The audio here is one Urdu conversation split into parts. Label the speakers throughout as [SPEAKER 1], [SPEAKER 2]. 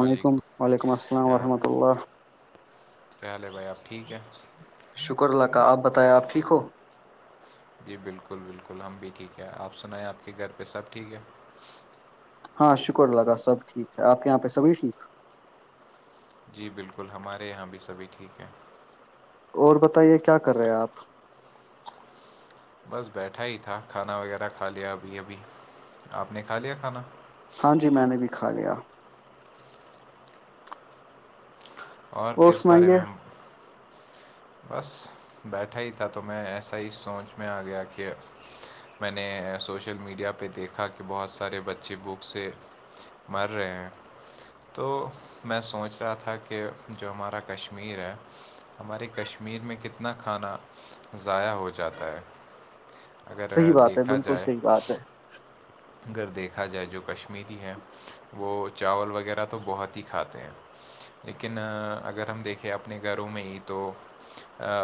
[SPEAKER 1] علیکم وعلیکم السلام
[SPEAKER 2] کیا
[SPEAKER 1] ورحمۃ اللہ
[SPEAKER 2] کیا حال ہے بھائی آپ ٹھیک ہیں
[SPEAKER 1] شکر اللہ کا آپ بتائیں آپ ٹھیک ہو
[SPEAKER 2] جی بالکل بالکل ہم بھی ٹھیک ہیں آپ سنیں آپ کے گھر پہ سب ٹھیک ہے
[SPEAKER 1] ہاں شکر ہے اللہ کا سب ٹھیک ہے آپ کے یہاں پہ سبھی ٹھیک
[SPEAKER 2] جی بالکل ہمارے یہاں بھی سبھی ٹھیک ہیں
[SPEAKER 1] اور بتائیے کیا کر رہے آپ
[SPEAKER 2] بس بیٹھا ہی تھا کھانا وغیرہ کھا لیا ابھی ابھی آپ نے کھا لیا کھانا
[SPEAKER 1] ہاں جی میں نے بھی کھا لیا
[SPEAKER 2] اور کس بارے میں ہم بس بیٹھا ہی تھا تو میں ایسا ہی سوچ میں آ گیا کہ میں نے سوشل میڈیا پہ دیکھا کہ بہت سارے بچے بھوک سے مر رہے ہیں تو میں سوچ رہا تھا کہ جو ہمارا کشمیر ہے ہماری کشمیر میں کتنا کھانا ضائع ہو جاتا ہے
[SPEAKER 1] صحیح
[SPEAKER 2] اگر
[SPEAKER 1] بات ہے
[SPEAKER 2] دیکھا
[SPEAKER 1] بالکل
[SPEAKER 2] جائے
[SPEAKER 1] صحیح بات ہے
[SPEAKER 2] اگر دیکھا جائے جو کشمیری ہے وہ چاول وغیرہ تو بہت ہی کھاتے ہیں لیکن اگر ہم دیکھیں اپنے گھروں میں ہی تو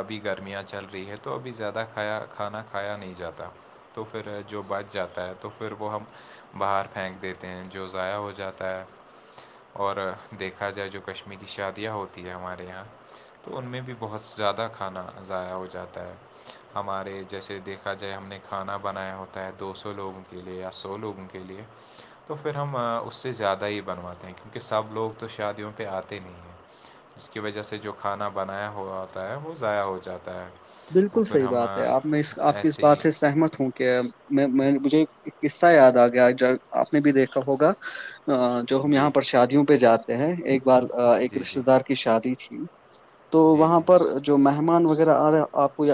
[SPEAKER 2] ابھی گرمیاں چل رہی ہے تو ابھی زیادہ کھایا کھانا کھایا نہیں جاتا تو پھر جو بچ جاتا ہے تو پھر وہ ہم باہر پھینک دیتے ہیں جو ضائع ہو جاتا ہے اور دیکھا جائے جو کشمیری شادیاں ہوتی ہے ہمارے یہاں تو ان میں بھی بہت زیادہ کھانا ضائع ہو جاتا ہے ہمارے جیسے دیکھا جائے ہم نے کھانا بنایا ہوتا ہے دو سو لوگ کے لیے یا سو لوگوں کے لیے تو پھر ہم اس سے زیادہ ہی بنواتے ہیں کیونکہ سب لوگ تو شادیوں پہ آتے نہیں ہیں اس کی وجہ سے جو کھانا بنایا ہوا آتا ہے وہ ضائع ہو جاتا ہے اور
[SPEAKER 1] بالکل
[SPEAKER 2] پھر
[SPEAKER 1] صحیح
[SPEAKER 2] ہم
[SPEAKER 1] بات ہے آپ اس میں آپ کی اس
[SPEAKER 2] ایسے ہی
[SPEAKER 1] بات سے سہمت ہوں کہ م۔ مجھے قصہ یاد آ گیا آپ نے بھی دیکھا ہوگا جو ہم
[SPEAKER 2] جی
[SPEAKER 1] یہاں پر شادیوں پہ جاتے ہیں ایک بار ایک
[SPEAKER 2] جی جی
[SPEAKER 1] رشتے دار کی شادی تھی تو
[SPEAKER 2] جی
[SPEAKER 1] وہاں
[SPEAKER 2] جی
[SPEAKER 1] پر جو مہمان وغیرہ آ رہا آپ کو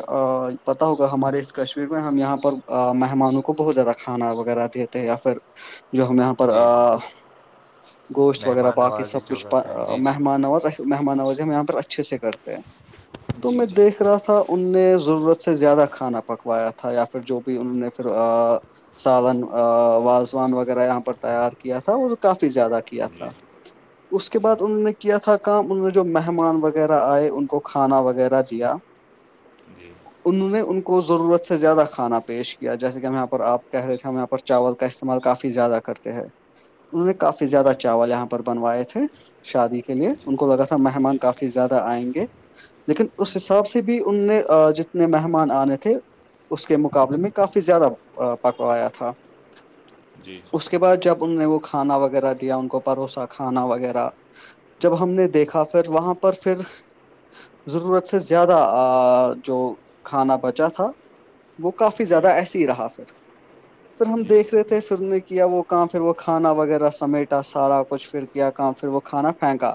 [SPEAKER 1] پتا ہوگا ہمارے اس کشمیر میں ہم یہاں پر مہمانوں کو بہت زیادہ کھانا وغیرہ دیے تھے یا پھر جو ہم یہاں پر آ
[SPEAKER 2] جی بالکل
[SPEAKER 1] گوشت وغیرہ
[SPEAKER 2] مہمان
[SPEAKER 1] باقی
[SPEAKER 2] نوازی
[SPEAKER 1] سب
[SPEAKER 2] جو
[SPEAKER 1] کچھ
[SPEAKER 2] کرتے ہیں جی جی
[SPEAKER 1] مہمان نواز مہمان نواز ہم یہاں پر اچھے سے کرتے ہیں تو
[SPEAKER 2] جی
[SPEAKER 1] میں
[SPEAKER 2] جی
[SPEAKER 1] دیکھ رہا تھا ان نے ضرورت سے زیادہ کھانا پکوایا تھا یا پھر جو بھی انہوں نے پھر آ سالن آ وازوان وغیرہ یہاں پر تیار کیا تھا وہ کافی زیادہ کیا
[SPEAKER 2] جی
[SPEAKER 1] تھا اس کے
[SPEAKER 2] جی
[SPEAKER 1] بعد انہوں نے کیا تھا کام انہوں نے جو مہمان وغیرہ آئے ان کو کھانا وغیرہ دیا
[SPEAKER 2] [inaudible]
[SPEAKER 1] انہوں نے ان کو ضرورت سے زیادہ کھانا پیش کیا جیسے کہ ہم یہاں پر آپ کہہ رہے تھے ہم یہاں پر چاول کا استعمال کافی زیادہ کرتے ہیں انہوں نے کافی
[SPEAKER 2] جی
[SPEAKER 1] زیادہ چاول یہاں پر بنوائے تھے شادی لیے
[SPEAKER 2] جی
[SPEAKER 1] ان کو لگا تھا مہمان
[SPEAKER 2] جی جی جی
[SPEAKER 1] کافی زیادہ آئیں گے لیکن اس حساب سے بھی ان نے جتنے مہمان آنے تھے اس کے مقابلے میں کافی زیادہ پکوایا تھا
[SPEAKER 2] جی
[SPEAKER 1] اس کے بعد جب ان نے وہ کھانا وغیرہ دیا ان کو پروسا کھانا وغیرہ جب ہم نے دیکھا پھر وہاں پر پھر ضرورت سے زیادہ ا جو کھانا بچا تھا وہ کافی
[SPEAKER 2] جی
[SPEAKER 1] زیادہ ایسے ہی رہا پھر پھر ہم
[SPEAKER 2] جی
[SPEAKER 1] دیکھ رہے تھے سب نے کیا وہ کام پھر وہ کھانا وغیرہ سمیٹا سارا کچھ پھر کیا کام پھر وہ کھانا پھینکا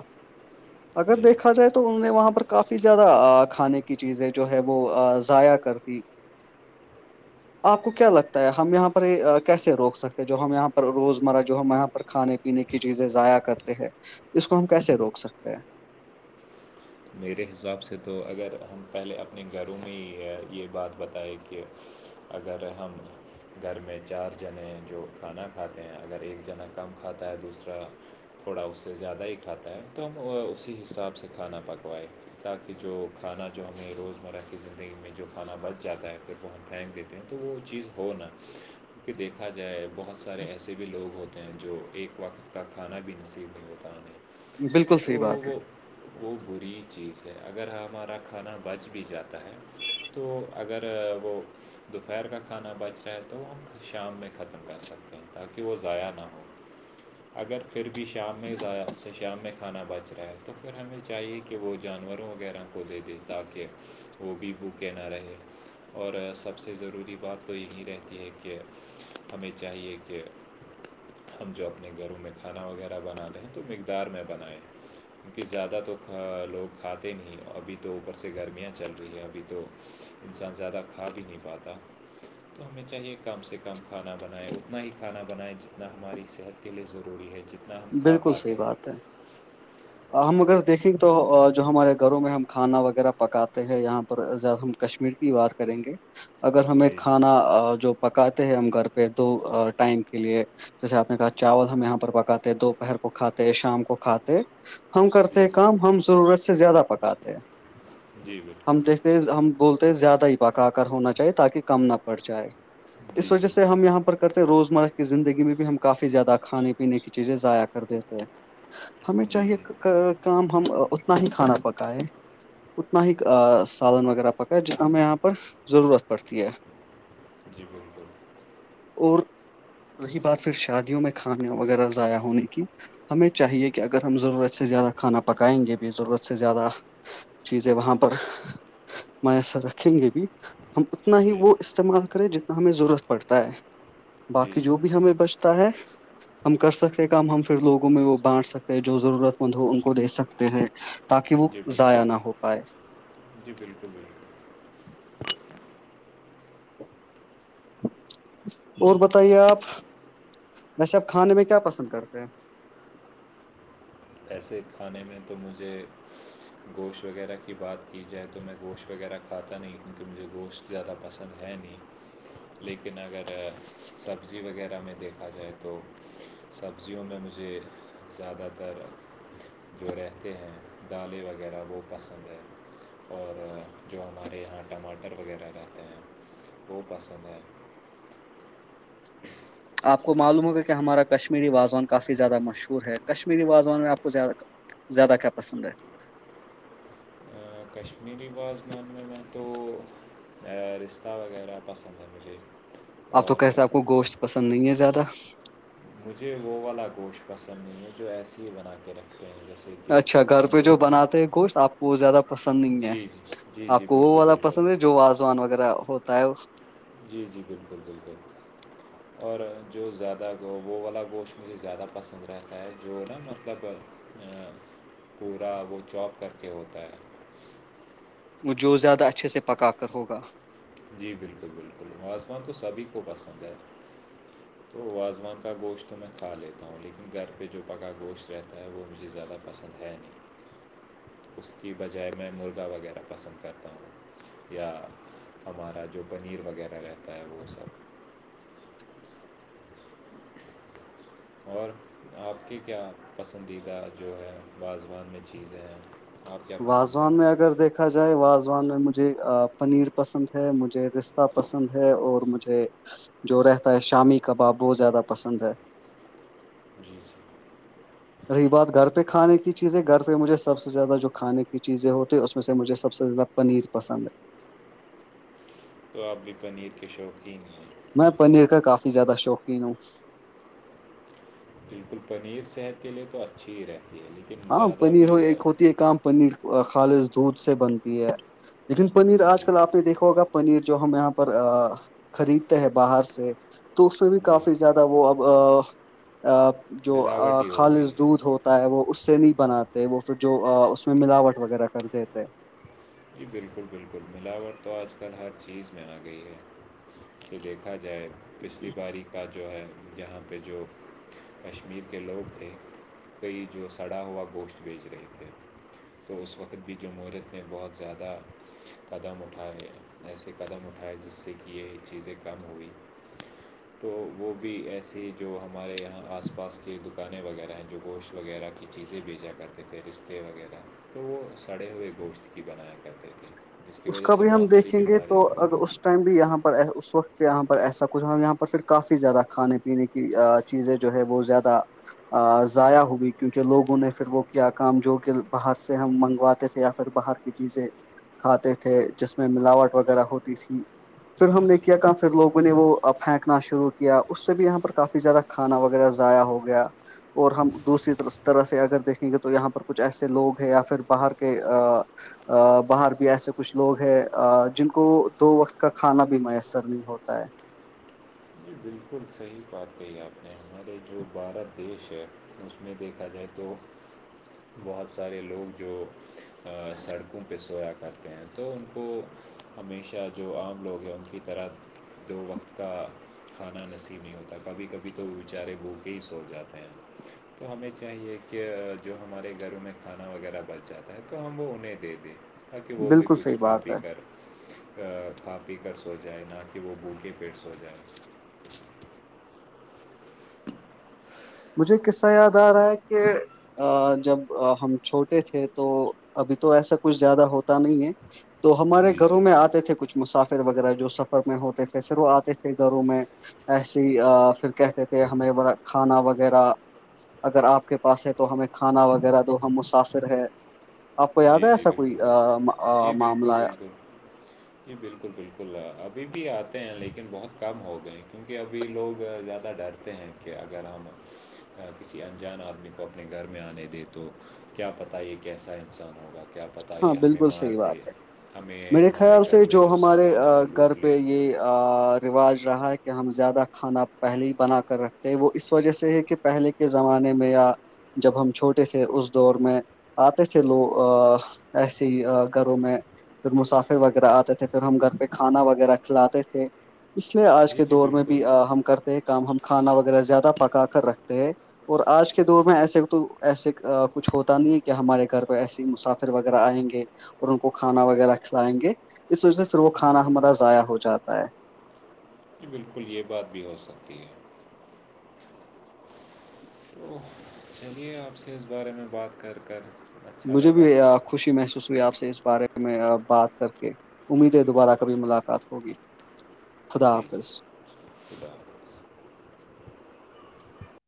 [SPEAKER 1] اگر
[SPEAKER 2] جی
[SPEAKER 1] دیکھا جائے تو انہوں نے وہاں پر کافی زیادہ ا کھانے کی چیزیں جو ہے وہ ضائع کر دی آپ کو کیا لگتا ہے ہم یہاں پر کیسے روک سکتے ہیں جو ہم یہاں پر روزمرہ جو ہم یہاں پر کھانے پینے کی چیزیں ضائع کرتے ہیں اس کو ہم کیسے روک سکتے ہیں
[SPEAKER 2] میرے حساب سے تو اگر ہم پہلے اپنے گھروں میں یہ یہ بات بتائے کہ اگر ہم گھر میں چار جانے ہیں جو کھانا کھاتے ہیں اگر ایک جنا کم کھاتا ہے دوسرا تھوڑا اس سے زیادہ ہی کھاتا ہے تو ہم اسی حساب سے کھانا پکوائے تاکہ جو کھانا جو ہمیں روزمرہ کی زندگی میں جو کھانا بچ جاتا ہے پھر وہ ہم پھینک دیتے ہیں تو وہ چیز ہو نا کہ دیکھا جائے بہت سارے ایسے بھی لوگ ہوتے ہیں جو ایک وقت کا کھانا بھی نصیب نہیں ہوتا انہیں
[SPEAKER 1] بالکل
[SPEAKER 2] تو
[SPEAKER 1] صحیح بات ہے
[SPEAKER 2] وہ وہ بری چیز ہے اگر ہمارا کھانا بچ بھی جاتا ہے تو اگر وہ دوپہر کا کھانا بچ رہا ہے تو شام میں ختم کر سکتے ہیں تاکہ وہ ضائع نہ ہو اگر پھر بھی شام میں ضایع سے شام میں کھانا بچ رہا ہے تو پھر ہمیں چاہیے کہ وہ جانوروں وغیرہ کو دے دے تاکہ وہ بھی بھوکے نہ رہے اور سب سے ضروری بات تو یہی رہتی ہے کہ ہمیں چاہیے کہ ہم جو اپنے گھروں میں کھانا وغیرہ بناتے ہیں تو مقدار میں بنائیں کیونکہ زیادہ تو کھا لوگ کھاتے نہیں ابھی تو اوپر سے گرمیاں چل رہی ہیں ابھی تو انسان زیادہ کھا بھی نہیں پاتا تو ہمیں چاہیے کم سے کم کھانا بنائیں اتنا ہی کھانا بنائیں جتنا ہماری صحت کے لیے ضروری ہے جت نا ہم
[SPEAKER 1] ہے
[SPEAKER 2] کھا
[SPEAKER 1] بالکل
[SPEAKER 2] پاتے
[SPEAKER 1] صحیح
[SPEAKER 2] ہیں
[SPEAKER 1] بات ہے ہم اگر دیکھیں تو جو ہمارے گھروں میں ہم کھانا وغیرہ پکاتے ہیں یہاں پر زیا ہم کشمیر کی بات کریں گے اگر ہمیں
[SPEAKER 2] جی جی
[SPEAKER 1] کھانا ا جو پکاتے ہیں ہم گھر پہ تو ٹائم کے لیے جیسے آپ نے کہا چاول ہم یہاں پر پکا تے دوپہر کو کھاتے شام کو کھاتے ہم کرتے
[SPEAKER 2] جی
[SPEAKER 1] ہیں
[SPEAKER 2] جی
[SPEAKER 1] کام ہم ضرورت سے زیادہ پک آتے ہیں
[SPEAKER 2] جی
[SPEAKER 1] ہم
[SPEAKER 2] بالکل
[SPEAKER 1] دیکھ فیس ہم بولتے ہیں زیادہ ہی پکا کر ہونا چاہیے تاکہ کم نہ پڑ جائے
[SPEAKER 2] جی
[SPEAKER 1] اس وجہ
[SPEAKER 2] جی
[SPEAKER 1] سے ہم یہاں پر کرتے روزمرہ کی زندگی میں بھی ہم کافی زیادہ کھانے پینے کی چیزیں ضائع کر دیتے ہیں ہمیں
[SPEAKER 2] جی جی
[SPEAKER 1] چاہیے کا ک کام ہم اتنا ہی کھانا پکائے اتنا ہی ا سالن وغیرہ پکائے جتنا ہمیں یہاں پر ضرورت پڑتی ہے
[SPEAKER 2] جی بالکل
[SPEAKER 1] اور رہی بات پھر شادیوں میں کھانے وغیرہ ضائع ہونے کی ہمیں چاہیے کہ اگر ہم ضرورت سے زیادہ کھانا پکائیں گے بھی ضرورت سے زیادہ چیزیں وہاں پر میسر رکھیں گے بھی ہم اتنا ہی
[SPEAKER 2] جی
[SPEAKER 1] وہ استعمال کریں جتنا ہمیں ضرورت پڑتا ہے
[SPEAKER 2] جی
[SPEAKER 1] باقی جو
[SPEAKER 2] جی
[SPEAKER 1] بھی ہمیں بچتا ہے ہم کر سکتے ہیں کام ہم پھر لوگوں میں وہ بانٹ سکتے ہیں جو ضرورت مند ہو ان کو دے سکتے ہیں تاکہ وہ
[SPEAKER 2] بالکل
[SPEAKER 1] ضائع نہ ہو پائے
[SPEAKER 2] جی بالکل بالکل
[SPEAKER 1] اور بتائیے آپ ویسے آپ کھانے میں کیا پسند کرتے ہیں
[SPEAKER 2] ایسے کھانے میں تو مجھے گوشت وغیرہ کی بات کی جائے تو میں گوشت وغیرہ کھاتا نہیں کیونکہ مجھے گوشت زیادہ پسند ہے نہیں لیکن اگر سبزی وغیرہ میں دیکھا جائے تو سبزیوں میں مجھے زیادہ تر جو رہتے ہیں دالیں وغیرہ وہ پسند ہے اور جو ہمارے یہاں ٹماٹر وغیرہ رہتے ہیں وہ پسند ہے
[SPEAKER 1] آپ کو معلوم ہوگا کہ ہمارا کشمیری وازوان کافی زیادہ مشہور ہے کشمیری وازوان میں آپ کو زیادہ زیادہ کیا پسند ہے
[SPEAKER 2] ا کشمیری واز وان میں تو ا رشہ وغیرہ پسند ہے مجھے
[SPEAKER 1] آپ تو
[SPEAKER 2] اور
[SPEAKER 1] کہتے ہیں آپ کو گوشت پسند نہیں ہے زیادہ
[SPEAKER 2] مجھے وہ والا گوشت پسند نہیں ہے جو ایسے ہی بنا کے رکھے
[SPEAKER 1] اچھا گھر پہ جو بناتے ہیں گوشت آپ کو وہ زیادہ پسند نہیں ہے
[SPEAKER 2] جی جی جی
[SPEAKER 1] آپ
[SPEAKER 2] جی
[SPEAKER 1] کو وہ
[SPEAKER 2] بالکل
[SPEAKER 1] والا
[SPEAKER 2] بالکل
[SPEAKER 1] پسند ہے جو آزوان وغیرہ ہوتا ہے
[SPEAKER 2] جی جی بالکل بالکل اور جو زیادہ گع وہ والا گوشت مجھے زیادہ پسند رہتا ہے جو نا مطلب آ، پورا وہ چوپ کر کے ہوتا ہے
[SPEAKER 1] وہ جو زیادہ اچھے سے پکا کر ہوگا
[SPEAKER 2] جی بالکل بالکل آوزوان تو سبھی کو پسند ہے تو وازوان کا گوشت تو میں کھا لیتا ہوں لیکن گھر پہ جو پکا گوشت رہتا ہے وہ مجھے زیادہ پسند ہے نہیں اس کی بجائے میں مرغا وغیرہ پسند کرتا ہوں یا ہمارا جو پنیر وغیرہ رہتا ہے وہ سب اور آپ کی کیا پسندیدہ جو ہے وازوان میں چیزیں ہیں آپ کیا پسند
[SPEAKER 1] وازوان میں
[SPEAKER 2] کرتے
[SPEAKER 1] اگر دیکھ
[SPEAKER 2] ہیں
[SPEAKER 1] دیکھا جائے واازوان میں مجھے پنیر پسند ہے مجھے رستہ پسند ہے اور مجھے جو رہتا ہے شامی کباب بہت زیادہ پسند ہے
[SPEAKER 2] جی جی
[SPEAKER 1] رہی بات گھر پہ کھانے کی چیزیں گھر پہ مجھے سب سے زیادہ جو کھانے کی چیزیں ہوتی اس میں سے مجھے سب سے زیادہ پنیر پسند ہے
[SPEAKER 2] تو آپ بھی پنیر کے شوقین ہے
[SPEAKER 1] میں پنیر کا کافی زیادہ شوقین ہوں
[SPEAKER 2] بالکل پنیر صحت کے لیے تو اچھی ہی رہتی ہے لیکن
[SPEAKER 1] ہاں
[SPEAKER 2] زیادہ
[SPEAKER 1] پنیر
[SPEAKER 2] بھی
[SPEAKER 1] ایک ہوتی ہے کام پنیر خالص دودھ سے بنتی ہے لیکن پنیر
[SPEAKER 2] جی
[SPEAKER 1] آج
[SPEAKER 2] جی
[SPEAKER 1] کل آپ نے دیکھا ہوگا پنیر جو ہم یہاں پر ا خریدتے ہیں باہر سے تو اس میں بھی
[SPEAKER 2] جی
[SPEAKER 1] کافی زیادہ وہ اب اں ا اب جو
[SPEAKER 2] ملاوٹ ہی ہو گئی
[SPEAKER 1] خالص
[SPEAKER 2] ہے
[SPEAKER 1] دودھ ہو تا ہے وہ اس سے نہیں بناتے وہ پھر جو ا اس میں ملاوٹ وغیرہ کر دیتے
[SPEAKER 2] جی بالکل بالکل ملاوٹ تو آج کل ہر چیز میں آ گئی ہے اسے دیکھ کہا جائے پچھلی باری کا جو ہے یہاں پہ جو کشمیر کے لوگ تھے کئی جو سڑا ہوا گوشت بیچھ رہے تھے تو اس وقت بھی جمہوریت نے بہت زیادہ قدم اٹھائے ایسے قدم اٹھائے جس سے کی یہ چیزیں کم ہوئی تو وہ بھی ایسی جو ہمارے یہاں آس پاس کی دکانیں وغیرہ ہیں جو گوشت وغیرہ کی چیزیں بهیجا کرتے تھےپیستے وغیرہ تو وہ سڑے ہوئے گوشت کی بنایا کرتے تھے جس کی
[SPEAKER 1] اس
[SPEAKER 2] وجہ
[SPEAKER 1] کا
[SPEAKER 2] سے
[SPEAKER 1] بھی ہم
[SPEAKER 2] بہت ساری
[SPEAKER 1] دیکھیں گے تو
[SPEAKER 2] بیماریاں بھی
[SPEAKER 1] اگر اس
[SPEAKER 2] ہوگی
[SPEAKER 1] ٹائم بھی یہاں پر اس وقت یہاں پر ایسا کچ اور یہاں پر پھر کافی زیادہ کھانے پینے کی کی چیزیں جو ہے وہ زیادہ ضائع ہوئی کیونکہ لوگوں نے پھر وہ کیا کام جو کہ باہر سے ہم منگواتے تھے یا پھر باہر کی چیزیں کھاتے تھے جس میں ملاوٹ وغیرہ ہوتی تھی پھر ہم
[SPEAKER 2] جی
[SPEAKER 1] نے
[SPEAKER 2] جی
[SPEAKER 1] کیا کافی پھر لوگوں نے وہ پھیکنا شروع کیا اس سے بھی یہاں پر کافی زیادہ کھانا وغیرہ ضائع ہو گیا اور ہم دوسری طرح سے اگر دیکھیں گے تو یہاں پر کچھ ایسے لوگ ہیں یا پھر باہر کے ا باہر بھی ایسے کچھ لوگ ہیں ا جن کو دو وقت کا کھانا بھی میسر نہیں ہوتا ہے
[SPEAKER 2] جی بالکل صحیح بات کہی آپ نے ہمارے جو بھارت دیش ہے اس میں دیکھا جائے تو بہت سارے لوگ جو سڑکوں پہ سویا کرتے ہیں تو ان کو ہمیشہ جو عام لوگ ہیں ان کی طرح دو وقت کا کھانا نصیب نہیں ہوتا کبھی کبھی تو وہ بیچارے بھو کے ہی سو جاتے ہیں تو ہمیں چاہیے کہ جو ہمارے گھروں میں کھانا وغیرہ بچ جاتا ہے تو ہم وہ انہیں دے دیں تاکہ وہ بھی
[SPEAKER 1] بالکل
[SPEAKER 2] کچھ
[SPEAKER 1] صحیح
[SPEAKER 2] کھا
[SPEAKER 1] بات
[SPEAKER 2] پی
[SPEAKER 1] ہے
[SPEAKER 2] کر ا کھا پی کر سو جائے نہ کہ وہ بو کےبھوکے پیٹ سو جائے
[SPEAKER 1] مجھےایک قصہ یاد آ رہا ہے کہ ا جب ہم چھوٹے تھے تو ابھی تو ایسا کچھ زیادہ ہوتا نہیں ہے تو ہمارے
[SPEAKER 2] جی
[SPEAKER 1] گھروں
[SPEAKER 2] جی
[SPEAKER 1] میں آتے تھے کچھ مسافر وغیرہ جو سفر میں ہوتے تھے پھر وہ آتے تھے گھروں میں ایسی ہی پھر کہتے تھے ہمیں کھانا و وغیرہ اگر آپ کے پاس ہے تو ہمیں کھانا وغیرہ دو ہم مسافر ہے آپ کو یاد
[SPEAKER 2] جی
[SPEAKER 1] ہے
[SPEAKER 2] جی
[SPEAKER 1] ایسا کوئی
[SPEAKER 2] بالکل
[SPEAKER 1] ا ا
[SPEAKER 2] بالکل جی بالکل
[SPEAKER 1] معاملہ
[SPEAKER 2] بالکل جی بالکل بالکل ابھی بھی آتے ہیں لیکن بہت کم ہو گئے کیونکہ ابھی لوگ زیادہ ڈر تے ہیں کہ اگر ہم کسی انجان آدمی کو اپنے گھر میں آنے دیں تو کیا پتا یہ کیسا انسان ہوگا کیا پتا
[SPEAKER 1] ہاں
[SPEAKER 2] یہ ہم
[SPEAKER 1] بالکل صحیح بات ہے میرے خیال
[SPEAKER 2] گھر
[SPEAKER 1] سے
[SPEAKER 2] میں
[SPEAKER 1] جو ہمارے
[SPEAKER 2] سامان ہے وہ
[SPEAKER 1] گھر
[SPEAKER 2] لوٹ لے
[SPEAKER 1] پہ یہ رواج رہا ہے کہ ہم زیادہ کھانا پہلے ہی بنا کر رکھتے ہیں وہ اس وجہ سے ہے کہ پہلے کے زمانے میں یا جب ہم چھوٹے تھے اس دور میں آتے تھے لوگ ایسے ہی گھروں میں پھر مسافر وغیرہ آتے تھے پھر ہم گھر پہ کھانا وغیرہ کھلاتے تھے اس لیے آج
[SPEAKER 2] جی
[SPEAKER 1] کے
[SPEAKER 2] جی
[SPEAKER 1] دور میں
[SPEAKER 2] بالکل
[SPEAKER 1] بھی ہم کرتے ہیں کام ہم کھانا وغیرہ زیادہ پکا کر رکھتے ہیں اور آج کے دور میں ایسے تو ایسے کچھ ہوتا نہیں ہے کہ ہمارے گھر پہ ایسسی مسافر وغیرہ آئیں گے اور ان کو کھانا وغیرہ کھلائیں گے اس وجہ سے پھر وہ
[SPEAKER 2] جی
[SPEAKER 1] کھانا ہمارا
[SPEAKER 2] بالکل
[SPEAKER 1] ضائع ہو جاتا ہو تاہے
[SPEAKER 2] جی بالکل یہ بات بھی ہو سکتی ہے تو چلیے آپ سے اس بارے میں بات کر کر اچھا
[SPEAKER 1] مجھے بھی
[SPEAKER 2] لگا
[SPEAKER 1] خوشی محسوس ہوئی آپ سے اس بارے میں بات کر کے امید ہے دوبارہ کبھی ملاقات ہوگی خدا
[SPEAKER 2] جی جی
[SPEAKER 1] حافظ
[SPEAKER 2] خدا حافظ